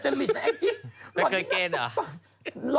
ร้านพี่มากกว่าเคยเกินหรอ